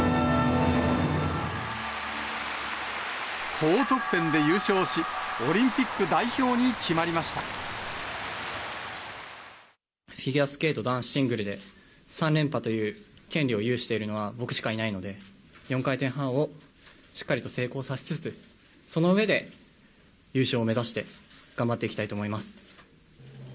高得点で優勝し、オリンピック代フィギュアスケート男子シングルで、３連覇という権利を有しているのは、僕しかいないので、４回転半をしっかりと成功させつつ、その上で優勝目指して頑張っていきたいと思います。